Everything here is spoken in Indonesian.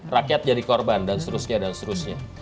rakyat jadi korban dan seterusnya dan seterusnya